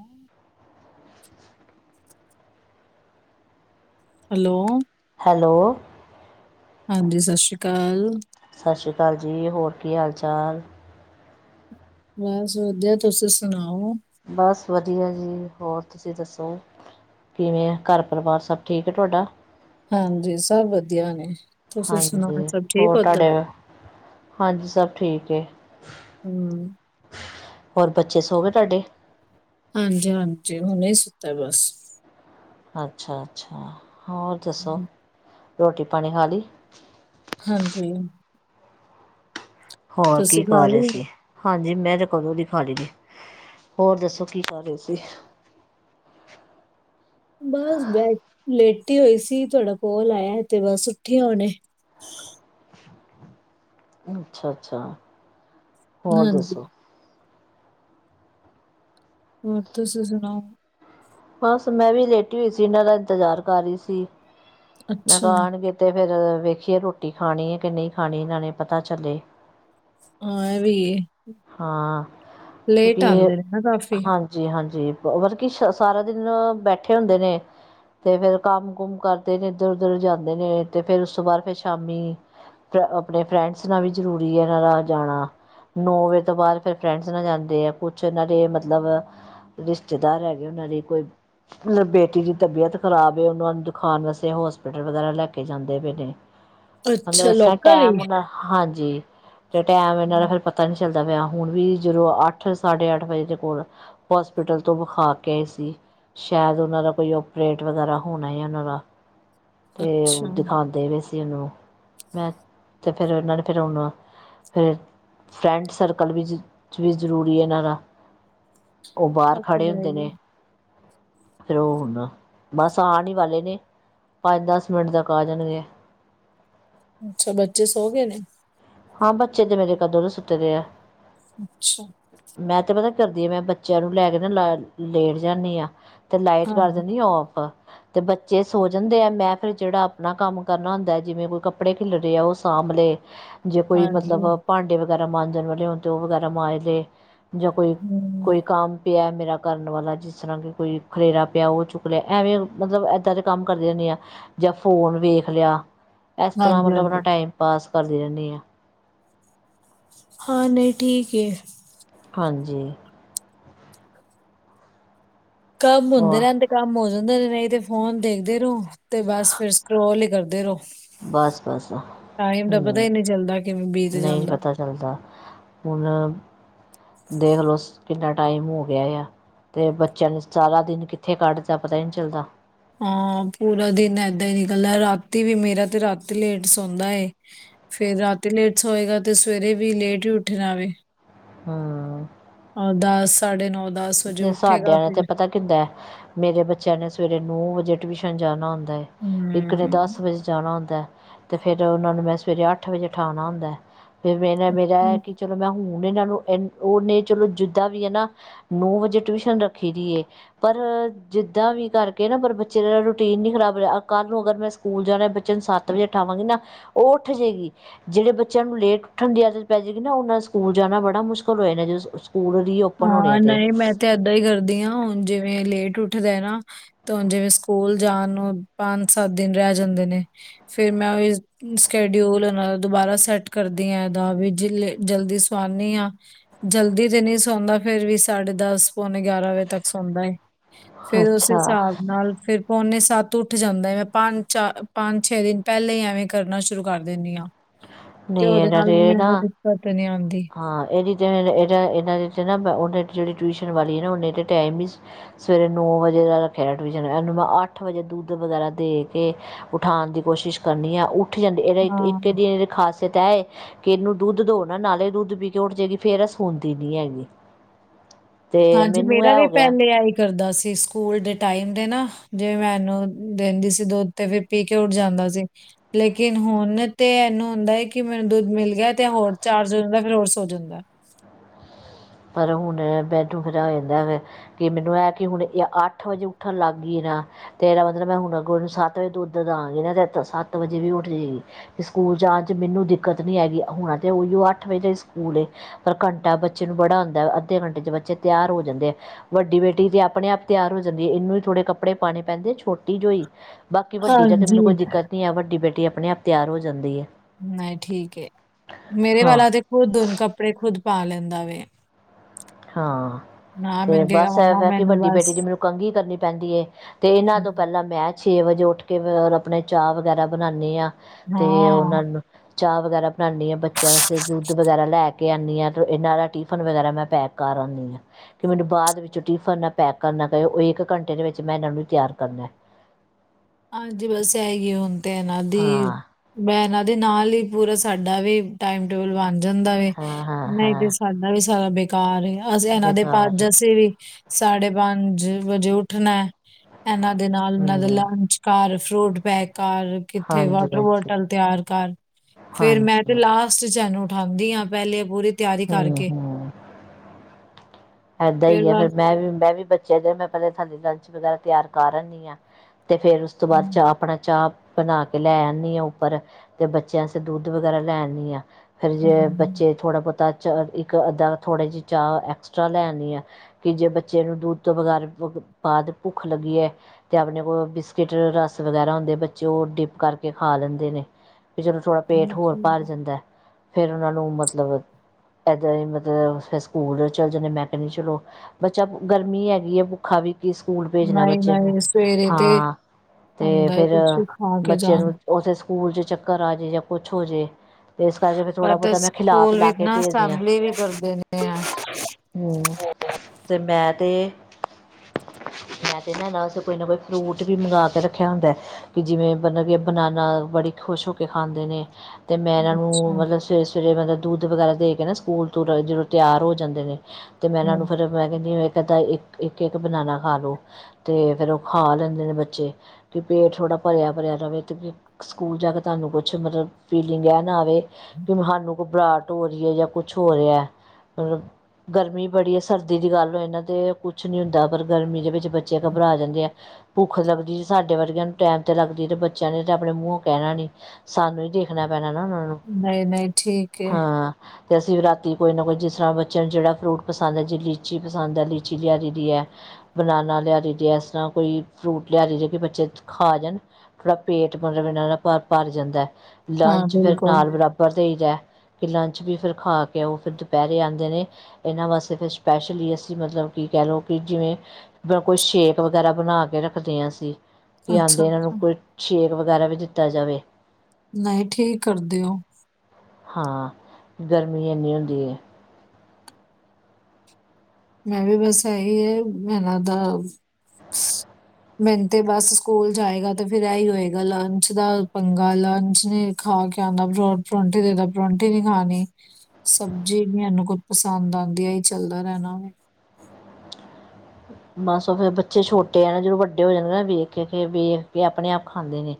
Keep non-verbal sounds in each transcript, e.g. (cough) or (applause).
ਹਾਂ। (inaudible) Hello. Hello. ਹਾਂਜੀ ਸਤ ਸ੍ਰੀ ਅਕਾਲ ਸਤਿ ਸ੍ਰੀ ਅਕਾਲ ਜੀ ਹੋਰ ਕੀ ਹਾਲ-ਚਾਲ? ਬਸ ਵਧੀਆ ਤੁਸੀ ਸੁਣਾਓ ਬਸ ਵਧੀਆ ਜੀ ਹੋਰ ਤੁਸੀਂ ਦੱਸੋ? ਕਿਵੇਂ ਏ ਘਰ ਪਰਿਵਾਰ ਸਭ ਠੀਕ ਏ ਤੁਹਾਡਾ ਹਾਂਜੀ ਸਭ ਵਧੀਆ ਨੇ। ਤੁਸੀਂ ਹਾਂਜੀ, ਸੁਣਾਓ ਸਭ ਠੀਕ ਹੋਰ ਓਦਾਂ? ਤੁਹਾਡੇ ਹਾਂਜੀ ਸਭ ਠੀਕ ਏ। ਹੁ ਹੋਰ, ਬੱਚੇ ਸੋ ਗਏ ਤੁਹਾਡੇ? ਹਾਂਜੀ-ਹਾਂਜੀ ਹੁਨ ਈ ਸੁੱਤਾ ਬਸ। ਅੱਛਾ-ਅੱਛਾ ਹੋਰ ਦੱਸੋ ਹਮ, ਰੋਟੀ-ਪਾਣੀ ਖਾਲੀ? ਹਾਂਜੀ। ਹੋਰ ਤੁਸੀਂ ਕੀ ਖਾ ਪਾ ਰਹੇ ਲਈ? ਸੀ ਹਾਂਜੀ ਮੈਂ ਤੇ ਕਦੋ ਦੀ ਖਾ ਲਈ ਜੀ ਹੋਰ ਦੱਸੋ ਕੀ ਕਰ ਰਹੇ ਸੀ ਬਸ ਬ ਲੇਟੀ ਹੋਈ ਸੀ ਤੁਹਾਡਾ ਕੋਲ ਆਇਆ ਤੇ ਬਸ ਉੱਠੀ ਹੁਣੇ। (unintelligible) (inaudible) ਅੱਛਾ ਅੱਛਾ ਹੋਰ ਹਾਂਜੀ। ਦੱਸੋ। ਹੋਰ, ਤੁਸੀ ਸੁਣਾਓ? ਬਸ ਮੈਂ ਵੀ ਲੇਟੀ ਹੋਈ ਸੀ ਇਹਨਾਂ ਦਾ ਇੰਤਜ਼ਾਰ ਕਰ ਰਹੀ ਸੀ, ਮੈਂ ਅੱਛਾ, ਕਿਆ ਆਣਗੇ ਤੇ ਫੇਰ ਵੇਖੀਏ ਰੋਟੀ ਖਾਣੀ ਹੈ ਕਿ ਨਹੀਂ ਖਾਣੀ ਇਹਨਾਂ ਨੇ ਪਤਾ ਚੱਲੇ। ਹਾਂ ਇਹ ਵੀ ਏ, ਹਾਂ ਲੇਟ ਆਂਦੇ ਨੇ ਨਾ ਕਾਫੀ। ਜੀ -ਹਾਂਜੀ, ਮਤਲਬ ਕੀ ਸਾਰਾ ਦਿਨ ਬੈਠੇ ਹੁੰਦੇ ਨੇ। ਤੇ ਫੇਰ ਕੰਮ ਕੁਮ ਕਰਦੇ ਨੇ ਇੱਧਰ ਉਧਰ ਜਾਂਦੇ ਨੇ ਤੇ ਫੇਰ ਉਸ ਤੋਂ ਬਾਅਦ ਫੇਰ ਸ਼ਾਮੀ ਆਪਣੇ ਫਰੈਂਡਸ ਨਾਲ ਵੀ ਜ਼ਰੂਰੀ ਏ ਇਹਨਾਂ ਦਾ ਜਾਣਾ ਨੌ ਵਜੇ ਉਸ ਤੋਂ ਬਾਅਦ ਫ਼ੇਰ ਫਰੈਂਡਸ ਨਾਲ ਜਾਂਦੇ ਏ ਕੁਛ ਇਹਨਾਂ ਦੇ ਮਤਲਬ ਰਿਸ਼ਤੇਦਾਰ ਹੈਗੀ ਉਹਨਾਂ ਦੀ ਕੋਈ। ਬੇਟੀ ਦੀ ਤਬੀਅਤ ਖ਼ਰਾਬ ਏ‌ ਉਹਨਾਂ ਨੂੰ ਦਿਖਾਨ ਵਾਸਤੇ ਹੋਸਪੀਟਲ ਵਗੈਰਾ ਲੈ ਕੇ ਜਾਂਦੇ ਪਏ ਨੇ। ਮਤਲਬ ਅੱਛਾ, ਇਸ ਤਰ੍ਹਾਂ ਲੋਕਲ ਹੀ ਟੈਮ ਉਹਨਾਂ ਹਾਂਜੀ, ਤੇ ਟੈਮ ਇਹਨਾਂ ਦਾ ਫੇਰ ਪਤਾ ਨੀ ਚੱਲਦਾ। ਪਿਆ ਹੁਣ ਵੀ ਜਦੋਂ ਅੱਠ ਸਾਢੇ ਅੱਠ ਵਜੇ ਦੇ ਕੋਲ ਹੋਸਪਿਟਲ ਤੋਂ ਵਿਖਾ ਕੇ ਆਏ ਸੀ। ਸ਼ਾਇਦ ਉਹਨਾਂ ਦਾ ਕੋਈ ਓਪਰੇਟ ਵਗੈਰਾ ਹੋਣਾ ਏ ਉਹਨਾਂ ਦਾ। ਤੇ ਅੱਛਾ। ਦਿਖਾਂਦੇ ਪਏ ਸੀ ਉਹਨੂੰ। ਮੈਂ ਤੇ, ਫਿਰ ਉਹਨਾਂ ਨੇ, ਫਿਰ-ਫਿਰ ਫਰੈਂਡਸ। ਸਰਕਲ ਵੀ-ਵੀ ਜ਼ਰੂਰੀ ਹੈ ਇਹਨਾਂ ਦਾ, ਉਹ ਬਾਹਰ ਕਾਫੀ ਖੜੇ ਹੁੰਦੇ ਲੇਟ। ਨੇ, ਫ਼ੇਰ ਉਹ ਹੁਣ, ਬਸ ਆਣ ਈ ਵਾਲੇ ਨੇ, ਪੰਜ-ਦਸ ਮਿੰਟ ਤਕ ਆ ਜਾਣਗੇ। ਅੱਛਾ, ਬੱਚੇ ਸ ਹੋ ਗਏ ਨੇ, ਹਾਂ ਬੱਚੇ ਤੇ, ਮੇਰੇ ਕਦੋਂ ਦੇ ਸੁੱਟੇਦੇ ਆ। ਅੱਛਾ ਮੈਂ ਤੇ ਪਤਾ ਕੀ ਕਰਦੀ ਆ, ਮੈਂ ਬੱਚਿਆਂ ਨੂੰ ਨਾਲ ਲੈ ਕੇ ਲੇਟ ਜਾਂਦੀ ਹਾਂ। ਤੇ ਲਾਈਟ, ਕਰ ਹਾਂਜੀ, ਦੇਣੀ ਔਫ ਤੇ ਬੱਚੇ ਸੋ ਜਾਂਦੇ ਆ, ਮੈਂ ਫਿਰ ਜਿਹੜਾ ਆਪਣਾ ਕੰਮ ਕਰਨਾ ਹੁੰਦਾ, ਜਿਵੇਂ ਕੋਈ ਕੱਪੜੇ ਖਿਲਰੇ ਆ ਉਹ ਸਾਂਭ ਲਏ ਜੇ ਕੋਈ ਹਾਂਜੀ, ਮਤਲਬ ਭਾਂਡੇ ਵਗੈਰਾ ਮਾਂਜਣ ਵਾਲੇ ਹੋਣ, ਤੇ ਉਹ ਵਗੈਰਾ ਮਾਂਜ ਲਏ। ਜਾਂ ਹੂੰ, ਕੋਈ-ਕੋਈ ਕੰਮ ਪਿਆ ਮੇਰਾ ਕਰਨ ਵਾਲਾ ਜੀ ਜਿਸ ਤਰ੍ਹਾਂ ਕਿ, ਕੋਈ ਖਲੇਰਾ ਪਿਆ ਉਹ ਚੁੱਕ ਲਿਆ, ਐਵੇਂ ਮਤਲਬ ਇੱਦਾਂ ਦੇ ਕੰਮ ਕਰਦੀ ਰਹਿਦੀ ਹਾਂ। ਜਾਂ ਫੋਨ ਵੇਖ ਲਿਆ, ਇਸ ਤਰ੍ਹਾਂ ਹਾਂਜੀ, ਮਤਲਬ ਆਪਣਾ ਹਾਂਜੀ। ਟਾਈਮ, ਪਾਸ ਕਰਦੀ ਰਹਿੰਦੀ ਆ। ਹਾਂ ਨ, ਹੀਂ ਠੀਕ ਏ। ਹਾਂਜੀ। ਕੰਮ ਹੁੰਦੇ ਹੋਰ ਰਹਿੰਦੇ। ਕੰਮ ਹੋ ਜਾਂਦਾ ਜੇ, ਨਹੀਂ ਤੇ ਫੋਨ ਦੇਖਦੇ ਰਹੋ ਤੇ, ਬਸ ਫੇਿਰ ਸਕਰੋਲ ਹੀ ਕਰਦੇ ਰਹੋ। ਬਸ ਬਸ ਟਾਈਮ ਦਾ ਹੂੰ ਪਤਾ, ਨਹੀ ਚੱਲਦਾ ਕਿਵੇਂ ਬੀਤ ਨਹੀਂ ਜਾਂਦਾ। ਪਤਾ ਚੱਲਦਾ ਹੁਣ, ਦੇਖ ਲਓ ਕਿੰਨਾ ਟਾਈਮ ਹੋ ਗਿਆ ਆ। ਤੇ ਬੱਚਿਆਂ ਨੇ, ਸਾਰਾ ਦਿਨ ਕਿੱਥੇ ਕੱਢ ਤਾਂ ਪਤਾ ਹੀ ਨਹੀਂ ਚੱਲਦਾ। ਹਾਂ ਪੂਰਾ ਦਿਨ, ਏਦਾਂ ਹੀ ਨਿਕਲਦਾ, ਰਾਤੀ ਵੀ ਮੇਰਾ ਤੇ ਰਾਤੀ ਲੇਟ ਸੌਂਦਾ ਏ ਫੇਰ ਰਾਤੀ ਲੇਟ ਸੋਂਏਗਾ, ਤੇ ਸਵੇਰੇ ਵੀ ਲੇਟ ਹੀ ਉੱਠਦਾ ਵੈ। ਹਮ ਦਸ, ਸਾਢੇ ਨੌ, ਦਸ ਵਜੇ ਉੱਠੇਗਾ ਫ਼ੇਰ। ਕਿਦਾ, ਮੇਰੇ ਬੱਚਿਆਂ ਨੇ ਸਵੇਰੇ ਨੌ ਵਜੇ, ਟਿਊਸ਼ਨ ਜਾਣਾ ਹੁੰਦਾ ਹੈ। ਹਮ (inaudible) ਇੱਕ ਨੇ, ਦਸ ਵਜੇ ਜਾਣਾ ਹੁੰਦਾ, ਤੇ ਫਿਰ ਉਹਨਾਂ ਨੂੰ ਮੈਂ ਸਵੇਰੇ ਅੱਠ ਵਜੇ, ਉਠਾਣਾ ਹੁੰਦਾ। ਫਿਰ ਮੇਰਾ-ਮੇਰਾ ਹ ਹੂੰ। ਕਿ ਚਲੋ ਮੈਂ ਹੁਣ ਇਹਨਾਂ ਨੂੰ ਉਹਨੇ ਚਲੋ ਜਿੱਦਾਂ ਵੀ ਹੈ ਨਾ ਨੌ ਵਜੇ,, ਟਿਊਸ਼ਨ ਰੱਖੀ ਦੀ ਏ। ਪਰ ਜਿੱਦਾਂ ਵੀ ਕਰਕੇ ਨਾ ਪਰ ਬੱਚੇ ਦਾ ਰੂਟੀਨ ਨਈ ਖਰਾਬ ਰਿਹਾ, ਕੱਲ ਨੂੰ ਅਗਰ ਮੈਂ ਸਕੂਲ ਜਾਣਾ ਬੱਚੇ ਨੂੰ, ਸੱਤ ਵਜੇ ਉਠਾਵਾਂਗੇ ਨਾ ਉਹ ਉਠ ਜਾਏਗੀ। ਜਿਹੜੇ ਬੱਚਿਆਂ ਨੂੰ ਲੇਟ ਉੱਠਣ, ਦੀ ਆਜ ਪੈ ਜਾਏਗੀ ਨਾ ਉਹ ਨਾ ਸਕੂਲ ਜਾਣਾ ਬੜਾ ਮੁਸ਼ਕਿਲ ਹੋਇਆ ਨੇ ਜ ਸਕੂਲ ਦੀ ਹਾਂ, ਨਹੀਂ ਮੈਂ ਤੇ ਏਦਾਂ ਹੀ ਕਰਦੀ ਹਾਂ, ਹੁਣ ਜਿਵੇਂ ਲੇਟ ਉਠਦਾ ਏ ਨਾ ਤੇ ਜਿਵੇਂ, ਸਕੂਲ ਜਾਣ ਨੂੰ ਪੰਜ -ਸੱਤ ਦਿਨ ਰਹਿ ਜਾਂਦੇ ਨੇ, ਫੇਿਰ ਮੈਂ ਸਕਡਿਊਲ ਏਨਾ ਦਾ ਦੁਬਾਰਾ ਸੈਟ ਕਰਦੀ ਆ ਇਹਦਾ ਵੀ, ਜਲਦੀ ਸਵਾਨੀ ਆ। ਜਲਦੀ ਤੇ ਨਹੀ ਸੌਂਦਾ, ਫੇਿਰ ਵੀ ਸਾਡੇ ਦਸ, ਪੌਣੇ ਗਿਆਰਾਂ, ਵਜੇ ਤੱਕ ਸੌਂਦਾ ਈ ਫੇਰ, ਉਸ ਅੱਛਾ ਹਿਸਾਬ ਨਾਲ ਫੇਰ ਪੋਨੇ ਸੱਤ ਉੱਠ ਜਾਂਦਾ, ਮੈਂ ਪੰਜ ਚ ਪੰਜ ਛੇ ਦਿਨ ਪਹਿਲਾਂ, ਹੀ ਐਵੇਂ ਕਰਨਾ ਸ਼ੁਰੂ ਕਰ ਦਿੰਦੀ ਹਾਂ। ਤੇ ਨਹੀਂ ਉਹਦੇ ਇਹਨਾਂ ਨਾਲ, ਦੇ ਮੈਨੂੰ ਨਾ ਦਿੱਕਤ ਨੀ ਆਉਂਦੀ। ਹਾਂ, ਇਹਦੀ ਤਾਂ ਇਹਦਾ ਇਹਨਾਂ ਦੀ ਤੇ ਨਾ ਓਹਦੇ ਜਿਹੜੀ ਟਿਊਸ਼ਨ ਵਾਲੀ, ਉਹਨੇ ਤਾਂ ਟਾਈਮ ਵਿ ਸਵੇਰੇ ਨੌ ਵਜੇ ਦਾ ਰੱਖਿਆ, ਟਵਿਸ਼ਨ ਇਹਨੂੰ ਮੈਂ ਅੱਠ ਵਜੇ ਦੁੱਧ, ਵਗੈਰਾ ਦੇ ਕੇ ਉਠਾਉਣ ਦੀ, ਕੋਸ਼ਿਸ਼ ਕਰਨੀ ਆ ਉੱਠ ਜਾਂਦੇ, ਇਹਦਾ ਹਾਂ ਇੱਕ ਇਹਦੀ ਖਾਸਅਤ ਹੈ, ਏ ਕਿ ਇਹਨੂੰ ਦੁੱਧ ਦੋ, ਨਾ ਨਾਲੇ ਦੁੱਧ ਪੀ ਕੇ ਉੱਠ ਜਾਏਗੀ, ਫੇਰ ਆ ਸੋਂਦੀ ਨੀ ਹੈਗੀ। ਅਤੇ ਹਾਂਜੀ, ਮੈਨੂੰ ਮੇਰਾ ਇਹ ਵੀ ਹੋ ਗਿਆ ਪਹਿਲੇ ਆਈ ਕਰਦਾ ਸੀ ਸਕੂਲ ਦੇ ਟਾਈਮ, ਦੇ ਨਾ ਜੇ ਮੈਨੂੰ ਦਿੰਦੀ ਸੀ ਦੁੱਧ ਤੇ ਫ ਪੀ ਕੇ, ਉੱਠ ਜਾਂਦਾ ਸੀ। ਲੇਕਿਨ ਹੁਣ ਤੇ ਇਹਨੂੰ ਹੁੰਦਾ, ਕਿ ਮੈਨੂੰ ਦੁੱਧ ਮਿਲ ਗਿਆ ਤੇ, ਹੋਰ ਚਾਰਜਸ ਹੋ ਜਾਂਦਾ ਫਿਰ ਹੋਰ ਸੋ ਜਾਂਦਾ। ਪਰ ਹੁਣ ਬੈਡ ਉਠ ਜਾ ਜਾਂਦਾ ਵੈ। ਕਿ ਮੈਨੂੰ ਇਹ ਕਿ, ਹੁਣ ਇਹ ਅੱਠ ਵਜੇ ਉੱਠਣ ਲੱਗ ਗਈ ਏ ਨਾ। ਤੇ ਮਤਲਬ ਮੈਂ ਹੁਣ ਅੱਗੋ ਤੋ ਸੱਤ ਵਜੇ ਦੁੱਧ ਦਵਾਂਗੀ ਨਾ ਐ ਤਾ ਸੱਤ ਵਜੇ ਵੀ ਉੱਠ ਜਾਏਗੀ। ਸਕੂਲ ਜਾਣ ਚ ਮੈਨੂੰ ਦਿੱਕਤ ਨੀ ਆਏਗੀ। ਹੁਣਾ ਤੇ ਉਹੀਓ ਅੱਠ ਵਜੇ ਦਾ ਸਕੂਲ ਏ। ਪਰ ਘੰਟਾ ਬੱਚੇ ਨੂੰ ਬੜਾ ਹੁੰਦਾ, ਅੱਧੇ ਘੰਟੇ ਚ ਬੱਚੇ ਤਿਆਰ ਹੋ ਜਾਂਦੇ ਆ। ਵੱਡੀ ਬੇਟੀ ਤੇ ਆਪਣੇ ਆਪ ਤਿਆਰ ਹੋ ਜਾਂਦੀ ਏ। ਇਹਨੂੰ ਹੀ ਥੋੜੇ ਕੱਪੜੇ ਪਾਉਣੇ ਪੈਂਦੇ ਛੋਟੀ ਜੋ ਹੋਹੀ। ਬਾਕੀ ਵੱਡੀ ਜਾਂ ਤੇ ਹਾਂਜੀ ਮੈਨੂੰ ਕੋਈ ਦਿੱਕਤ ਨੀ ਆ। ਵੱਡੀ ਬੇਟੀ ਆਪਣੇ ਆਪ ਤਿਆਰ ਹੋ ਜਾਂਦੀ ਹੈ। ਨਹੀਂ ਠੀਕ ਐ। ਮੇਰੇ ਹਾਂ ਵਾਲਾ ਤੇ ਖੁਦ ਕੱਪੜੇ ਖੁੱਦ ਪਾ ਲੈਂਦਾ ਵੇ। ਹਾਂ। ਨਾ ਤੇ ਮੈਨੂੰ ਕਹੇਗਾ ਬਸ ਮੰਮਾ ਕਿ ਮੈਨੂੰ ਵੱਡੀ ਬੇਟੀ ਬਸ ਦੀ ਮੈਨੂੰ ਕੰਘੀ ਕਰਨੀ ਪੈਂਦੀ ਹੈ। ਤੇ ਇਹਨਾਂ ਤੋਂ ਹਮ, ਪਹਿਲਾਂ ਮੈਂ। ਛੇ ਵਜੇ ਉੱਠ ਕੇ ਮੈ ਆਪਣੇ ਚਾਹ ਵਗੈਰਾ ਬਣਾਉਂਦੇ ਹਾਂ ਤੇ ਹਾਂ ਉਹਨਾਂ ਨੂੰ। ਚਾਹ ਵਗੈਰਾ ਬਣਾਉਂਦੀ ਹਾਂ, ਬੱਚਿਆਂ ਵਾਸਤੇ ਦੁੱਧ ਵਗੈਰਾ ਲੈ ਕੇ ਆਉਂਦੀ ਹਾਂ, ਇਹਨਾਂ ਦਾ ਟਿਫਨ ਵਗੈਰਾ ਮੈਂ ਪੈਕ। ਘਰ ਆਉਂਦੀ ਆ। ਕਿ ਮੈਨੂੰ ਬਾਅਦ ਵਿੱਚੋਂ ਟਿਫਨ ਨਾ ਪੈਕ ਕਰਨਾ ਪਵੇ, ਉਹ ਇੱਕ ਘੰਟੇ ਦੇ ਵਿੱਚ ਮੈਂ ਇਹਨਾਂ ਨੂੰ ਤਿਆਰ ਕਰਨਾ। ਹਾਂਜੀ, ਬਸ ਏਹ ਹਿ ਏ ਹੁਣ ਤੇ ਇਹਨਾਂ ਦੀ ਹਾਂ ਮੈ ਇਹਨਾ ਦੇ ਨਾਲ ਹੀ, ਪੂਰਾ ਸਾਡਾ ਵੀ ਟਾਈਮ - ਟੇਬਲ ਬਣ ਜਾਂਦਾ ਵੇਂ। ਹਾਂ ਹਾਂ ਨਹੀਂ ਤੇ ਹਾਂ ਸਾਡਾ ਵੀ ਸਾਰਾ ਬੇਕਾਰ ਹਿ ਆ, ਅਸੀਂ ਇਹਨਾਂ ਦੇ ਬੇਕਾਰ ਪਾਜ ਅਸੀੇ ਵੀ ਸਾਢੇ ਪੰਜ ਵਜੇ ਉੱਠਣਾ ਹੈ। ਇਹਨਾਂ ਦੇ ਨਾਲ ਇਹਨਾਂ ਦੇ ਹੂੰ ਲੰਚ। ਕਾਰ ਫਰੂਟ ਪੈਕ ਕਾਰ। ਕਿੱਥੇ ਹਾਂਜੀ ਵਾਟਰ ਹਾਂਜੀ ਬੋਟਲ ਤਿਆਰ ਕਰ, ਫੇਰ ਮੈਂ ਤੇ ਹਾਂਜੀ ਲਾਸਟ ਚ ਐਨੂੰ ਉਠਾਉਂਦੀ ਹਾਂ। ਪਹਿਲੇ ਪੂ- ਹੂੰ-ਹੂੰ। ਇੱਦਾਂ ਫਿਰ ਹੀ ਹੈ। ਬਸ ਫੇਰ ਮੈਂ ਵੀ- ਮੈਂ ਵੀ ਬੱਚੇ ਦੇ ਮੈਂ ਪਹਿ ਥਾਲੀ ਲੰਚ ਵਗੈਰਾ, ਤਿਆਰ ਕਰ ਆਂਦੀ ਹਾਂ। ਤੇ ਫੇਰ ਉਸ ਤੋਂ ਬਾਅਦ, ਹਮ, ਚਾਹ ਆਪਣਾ ਚਾਹ ਬਣਾ ਕੇ ਲੈ ਆਉਂਣੀ ਆ, ਉੱਪਰ ਤੇ ਬੱਚਿਆਂਸ ਤੇ ਦੁੱਧ ਵਗੈਰਾ ਲੈ ਆਉਂਨੀ ਆ। ਫੇਰ ਜੇ ਹਮ, ਬਚੇ ਥੋੜਾ ਬਹੁਤਾ ਚ ਇੱਕ ਅੱਧਾ ਥੋੜੀ ਜਿਹਾ ਚਾਹ ਐਕਸਟਰਾ ਲੈ ਆਣੀ ਆ। ਕਿ ਜੇ ਬੱਚੇ ਨੂੰ ਦੁੱਧ ਤੋਂ ਵਗੈਰਾ ਬਾਅਦ ਭੁੱਖ ਲੱਗੀ ਹੈ। ਤੇ ਆਪਣੇ ਕੋਲ ਬਿਸਕਿਟ, ਰਸ ਵਗੈਰਾ ਹੁੰਦੇ ਬੱਚੇ ਉਹ ਡਿਪ ਕਰਕੇ ਖਾ ਲੈਂਦੇ ਨੇ। ਵੀ ਜਦੋਂ ਥੋੜਾ ਪੇਟ ਹੋਰ ਭਰ ਜਾਂਦਾ ਏ। ਫੇਰ ਉਹਨਾਂ ਨੂੰ ਮਤਲਬ, ਏਦਾਂ ਹੀ ਮਤਲਬ ਫੇਰ ਸਕੂਲ। ਚੱਲ ਜਾਂਦੇ। ਮੈਂ ਕਹਿੰਨੀ ਚਲੋ, ਬੱਚਾ ਗਰਮੀ ਹੈਗੀ ਹੈ। ਭੁੱਖਾ ਵੀ ਕਿ ਸਕੂਲ ਭੇਜਣਾ ਨਹੀਂ ਬੱਚੇ ਨੂੰ, ਨਹੀਂ ਸਵੇਰੇ ਤੇ ਹਾਂ ਤੇ ਹੁੰਦਾ ਹੈ ਫੇਰ ਕੁਛ ਵੀ ਖਾ ਕੇ ਬੱਚੇ ਜਾਣ ਨੂੰ ਉਥੇ ਸਕੂਲ ਚ ਚੱਕਰ ਆ ਜੇ, ਜਾਂ ਕੁਛ ਹੋ ਜੇ। ਤੇ ਇਸ ਕਰਕੇ ਫੇਰ ਥੋੜਾ ਬਹੁਤਾ ਮੈਂ ਖਿਲਾ- ਪਿਲਾ ਕੇ ਭੇਜਦੀ ਹਾਂ। ਵੇ ਕਰਦੇ ਨੇ। ਹ (unintelligible) ਹੂੰ, ਤੇ ਮੈਂ ਤੇ ਮੈਂ ਤੇ ਇਹਨਾਂ ਆਸਤੇ ਕੋਈ ਨਾ ਕੋਈ ਫਰੂਟ ਵੀ ਮੰਗਵਾ ਕੇ ਰੱਖਿਆ ਹੁੰਦਾ। ਕਿ ਜਿਵੇਂ ਮਤਲਬ ਕਿ ਬਨਾਨਾ ਬੜੀ ਖੁਸ਼ ਹੋ ਕੇ ਖਾਂਦੇ ਨੇ। ਤੇ ਮੈਂ ਇਹਨਾਂ ਨੂੰ ਅੱਛਾ ਮਤਲਬ ਸਵੇਰੇ- ਸਵੇਰੇ ਮਤਲਬ ਦੁੱਧ ਵਗੈਰਾ ਦੇ ਕੇ, ਨਾ ਸਕੂਲ ਤੋਂ ਜਦੋਂ ਤਿਆਰ ਹੋ ਜਾਂਦੇ ਨੇ। ਤੇ ਮੈਂ ਇਹਨਾਂ ਨੂੰ ਹਮ ਫੇਰ ਮੈਂ ਕਹਿੰਦੀ ਇਕੱਦਾਂ ਇੱਕ- ਇੱਕ ਬਨਾਨਾ ਖਾ ਲੋੋ। ਤੇ ਫੇਰ ਉਹ ਖਾ ਲੈਂਦੇ ਨੇ ਬੱਚੇ। ਕੀ ਪੇਟ ਥੋੜਾ ਭਰਿਆ- ਭਰਿਆ ਰਵੇ ਤੇ। ਸਕੂਲ ਜਾ ਕੇ ਤੁਹਾਨੂੰ ਕੁਛ ਮਤਲਬ ਫੀਲਿੰਗ ਇਹ ਨਾ ਆਵੇ ਕਿ ਸਾਨੂੰ ਘਬਰਾਟ ਹੋ ਰਹੀ ਹੈ। ਜਾਂ ਕੁਛ ਹੋ ਰਿਹਾ ਮਤਲਬ ਗਰਮੀ ਬੜੀ ਹੈ। ਸਰਦੀ ਦੀ ਗੱਲ ਹੋਏ ਨਾ ਤੇ ਕੁਛ ਨੀ ਹੁੰਦਾ। ਪਰ ਗਰਮੀ ਦੇ ਵਿੱਚ ਬੱਚੇ ਘਬਰਾ ਜਾਂਦੇ ਆ। ਭੁੱਖ ਲੱਗਦੀ। ਸਾਡੇ ਵਰਗਿਆਂ ਨੂੰ ਟੈਮ ਤੇ ਲੱਗਦੀ। ਤੇ ਬੱਚਿਆਂ ਨੇ ਤੇ ਆਪਣੇ ਮੂੰਹ ਕਹਿਣਾ ਨੀ। ਸਾਨੂੰ ਹੀ ਦੇਖਣਾ ਪੈਣਾ ਨਾ, ਉਹਨਾਂ ਨੂੰ। ਨਹੀਂ- ਨਹੀਂ ਠੀਕ ਹੈ। ਹਾਂ ਤੇ ਅਸੀਂ ਵੀ ਰਾਤੀ ਕੋਈ ਨਾ ਕੋਈ ਜਿਸ ਤਰਾਂ ਬ ਚਿਹੜਾ ਫਰੂਟ ਪਸੰਦ ਹੈ, ਜੇ ਲੀਚੀ ਪਸੰਦ ਹੈ ਲੀਚੀ ਲਿਆ ਦੀ ਦੀ ਹੈ। ਬਨਾਨਾ ਲਿਆ ਦਈ ਦੇ ਹੈ। ਇਸ ਤਰਾਂ ਕੋਈ ਫਰੂਟ ਲਿਆ ਦੀ ਜੇ ਕਿ ਬੱਚੇ ਖਾ ਜਾਣ। ਥੋੜਾ ਪੇਟ ਮਤਲਬ, ਇਹਨਾਂ ਦਾ ਭਰ-ਭਰ ਜਾਂਦਾ, ਹਾਂ ਲੰਚ ਫਿਰ ਬਿਲਕੁਲ ਨਾਲ ਬਰਾਬ ਬਸ ਠੀਕ ਐ ਕਿ, ਲੰਚ ਵੀ ਫਿਰ ਖਾ ਕੇ ਉਹ ਫਿਰ ਦੁਪਹਿਰੇ ਆਉਂਦੇ ਨੇ, ਇਹਨਾਂ ਵਾਸਤੇ ਫਿਰ ਸਪੈਸ਼ਲੀ ਅਸੀਂ ਮਤਲਬ, ਕਿ ਕਹਿ ਲਓ ਕਿ ਜਿਵੇਂ ਬਿਲਕੁਲ ਸ਼ੇਕ ਵਗੈਰਾ ਬਣਾ ਕੇ ਰੱਖਦੇ ਆਂ ਅਸੀ। ਕੀ ਆਉਂਦੇ, ਅੱਛਾ ਇਹਨਾਂ ਨੂੰ ਅੱਛਾ ਕੋਈ ਛੇਕ ਵਗੈਰਾ ਵੀ ਦਿੱਤਾ ਜਾਵੇ। ਨਹੀਂ ਠੀਕ ਕਰਦੇ ਓ, ਹਾਂ, ਗਰਮੀ ਇੰਨੀ ਹੁੰਦੀ ਹੈ। ਮੈਂ ਵੀ ਬਸ ਇਹੀ ਹੈ ਮੈਂਨਾਂ ਦਾ ਮੈਨ ਤੇ ਬਸ ਸਕੂਲ ਜਾਏਗਾ, ਤੇ ਫੇਰ ਇਹੀ ਹੋਏਗਾ, ਲੰਚ ਦਾ ਪੰਗਾ ਲੰਚ ਨੇ ਖਾ ਕੇ ਆਦਾ ਪਰੌਠੀ ਦੇਦਾ ਪਰੌਠੇ ਨੀ ਖਾਣੇ। ਸਬਜ਼ੀ ਵੀ ਮਨੂੰ ਕੁੱਝ ਪਸੰਦ ਆਦੀ ਆ, ਹੀ ਚੱਲਦਾ ਰਹਿਣਾ ਹੋਵੇ। ਬਸ ਫੇਰ ਬੱਚੇ ਛੋਟੇ ਆ ਨਾ ਜਦੋਂ ਵੱਡੇ ਹੋ ਜਾਣਗੇ, ਨਾ ਵੇਖ ਕੇ ਵੇਖ ਕੇ ਆਪਣੇ ਆਪ ਖਾਂਦੇ ਨੇ।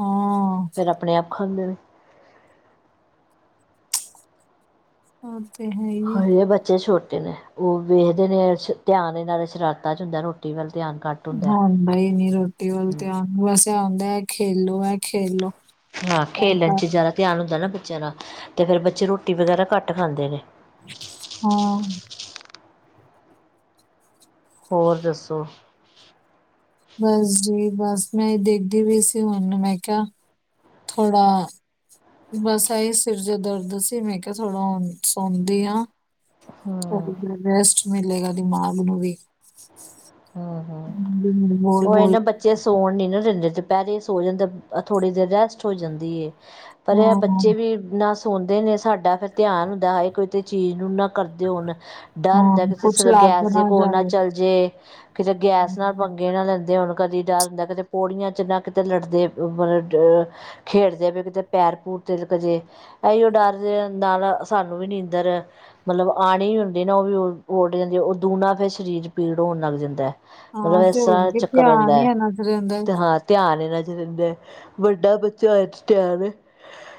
ਹਾਂ ਫੇਰ ਆਪਣੇ ਆਪ ਖਾਂਦੇ ਨੇ, ਔ ਤੇ ਹੈ। ਹੀ ਹੈ। ਹਜੇ ਬੱਚੇ ਛੋਟੇ ਨੇ ਉਹ ਵੇਖਦੇ ਨੇ ਧਿਆਨ ਇਹ ਨਾਲ ਸ਼ਰਾਰਤਾ ਚ ਹੁੰਦਾ, ਰੋਟੀ ਵੱਲ ਧਿਆਨ ਘੱਟ ਹੁੰਦਾ ਹੀ ਨੀ ਰੋਟੀ ਵੱਲ ਧਿਆਨ ਬਸ ਇਹ ਆਦਾ, ਖੇਲੋ ਐ ਖੇਲੋ। ਹਾਂ ਖੇਲਣ ਚ ਹਾਂ ਜ਼ਿਆਦਾ ਧਿਆਨ ਹੁੰਦਾ ਨਾ ਬੱਚਿਆਂ ਦਾ, ਤੇ ਫੇਰ ਬੱਚੇ ਰੋਟੀ ਵਗੈਰਾ ਘੱਟ ਖਾਂਦੇ ਨੇ। ਹਾਂ, ਹੋਰ ਦੱਸੋ? ਬਸ ਜੀ ਬਸ ਮੈਂ ਦੇਖਦੀ, ਪਈ ਸੀ ਹੁਣ ਮੈਂ ਕਿਹਾ। ਥੋੜ੍ਹਾ, ਬਸ ਆਹੀ ਸਿਰ ਚ ਦਰਦ ਸੀ, ਮੈਂ ਕਿਹਾ ਥੋੜ੍ਹਾ ਸੋਦੀ ਹਾਂ। ਹੂੰ ਰੈਸਟ ਮਿਲੇਗਾ, ਦਿਮਾਗ ਨੂੰ ਵੀ। ਹੂੰ, ਬੋਲ-ਬੋਲ। ਜੇ ਸੋਣ ਨੀ ਨਾ ਦਿੰਦੇ, ਤੇ ਪਹਿਰੇ ਸੋ ਜਾਂਦੇ ਥੋੜੀ ਦੇਰ ਰੈਸਟ ਹੋ ਜਾਂਦੀ। ਪਰ ਆ ਹਾਂ ਬੱਚੇ ਵੀ। ਨਾ ਸੌਦੇ ਨੇ ਸਾਡਾ ਫਿਰ ਧਿਆਨ ਹੁੰਦਾ ਹੈ, ਕੋ ਤੇ ਚੀਜ਼ ਨੂੰ ਨਾ ਕਰਦੇ ਹੋਣ ਡਰ ਹੁੰਦਾ, ਹਾਂ ਕੁਛ ਕਿਸੇ ਲੱਗ ਗੈਸ ਦੇ ਕੋਲ ਨਾ ਜਾਏ ਚੱਲ ਜੇ। ਕਿਤੇ ਗੈਸ ਨਾਲ ਪੰੰਗੇ ਨਾ ਲੈਂਦੇ ਹੋਣ, ਕਦੇ ਡਰ ਹੁੰਦਾ ਕਿਤੇ ਪੌੜੀਆਂ ਚ ਨਾ ਕਿਤੇ ਲੜਦੇ ਮਤਲਬ, ਖੇਡਦੇ ਵੀ ਕਿਤੇ ਪੈਰ ਪੂਰ ਤੀਲਕ ਜੇ। ਇਹੀ ਉਹ ਡਰ ਦੇ ਨਾਲ ਸਾਨੂੰ ਵੀ ਨੀਂਦਰ ਮਤਲਬ ਆਣੀ ਹੁੰਦੀ ਨਾ ਉਹ ਵੀ ਉੱਡ ਜਾਂਦੀ, ਉਹ ਦੂਣਾ ਫੇਰ ਸਰੀਰ ਪੀੜ ਹੋਣ ਲੱਗ ਜਾਂਦਾ। ਮਤਲਬ ਹਾਂ ਤੇ ਇਸ ਹੋਰ ਤਰ੍ਹਾਂ ਕੀ ਚੱਕਰ ਧਿਆਨ ਰਹਿੰਦਾ ਹੀ ਹੈ ਨਾ ਤੇਰੇ ਅੰਦਰ ਤੇ ਹਾਂ ਧਿਆਨ ਇਨਾ ਚ ਰਹਿਦਾ, ਵੱਡਾ ਬੱਚਾ ਹੋਏ ਤੇ ਧਿਆਨ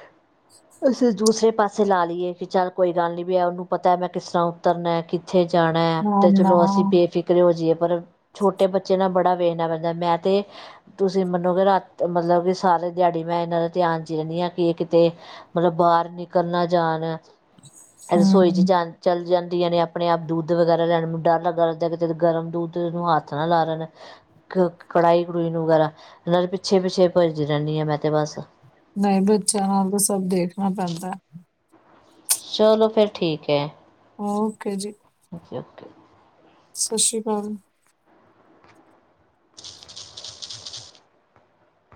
(unintelligible) ਅਸੀਂ ਦੂਸਰੇ ਪਾਸੇ ਲਾ ਲਈਏ, ਕਿ ਚੱਲ ਕੋਈ ਗੱਲ ਨੀ ਵੀ ਉਹਨੂੰ ਪਤਾ ਮੈਂ ਕਿਸ ਤਰ੍ਹਾਂ ਉੱਤਰਨਾ ਕਿ ਇੱਥੇ ਜਾਣਾ ਹੈ, ਨਾ ਤੇ ਨਾ ਚਲੋ ਅਸੀਂ ਬੇਫਿਕਰ ਹੋ ਜਏ ਪਰ ਛੋਟੇ ਬੱਚੇ ਨਾਲ ਬੜਾ ਵੇਖਨਾ ਪੈਂਦਾ ਮੈਂ ਤੇ ਤੁਸੀਂ ਮੰਨੋ ਕਿ ਰਾਤ ਮਤਲਬ ਕਿ ਸਾਰੇ ਦਿਹਾੜੀ ਮੈਂ ਇਹਨਾਂ ਦਾ ਧਿਆਨ 'ਚ ਹੀ ਰਹਿੰਦੀ ਹਾਂ, ਕਿ ਇਹ ਕਿਤੇ ਮਤਲਬ ਬਾਹਰ ਨਿਕਲ ਨਾ ਜਾਣ ਰਸੋਈ ਚ ਹਮ ਜਾ ਚੱਲ ਜਾਂਦੀਆਂ ਨੇ, ਆਪਣੇ ਆਪ ਦੁੱਧ ਵਗੈਰਾ ਲੈਣ ਨੂੰ ਡਰ ਲੱਗਾ ਲੱਗਦਾ ਜਦ ਗਰਮ ਦੁੱਧਨੂੰ ਹੱਥ ਨਾ ਲਾ ਦੇਣ। ਕੜਾਈ ਕੜੂਈ ਨੂੰ ਵਗੈਰਾ ਨਾਲ ਪਿੱਛੇ-ਪਿੱਛੇ ਭੱਜਦੀ ਰਹਿੰਦੀ, ਹਾਂ ਮੈਂ ਤੇ ਬਸ ਨਹੀਂ ਬੱਚਿਆਂ ਨਾਲ ਤਾਂ ਸਭ ਦੇਖਣਾ ਪੈਂਦਾ। ਚਲੋ ਫੇਰ ਠੀਕ ਹੈ। ਓਕੇ ਜੀ। ਓਕੇ, ਸਤਿ ਸ੍ਰੀ ਅਕਾਲ,